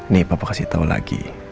nih papa kasih tau lagi